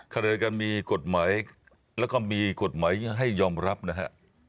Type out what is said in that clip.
ขณะเดียวกันมีกฎหมายแล้วก็มีกฎหมายให้ยอมรับนะฮะ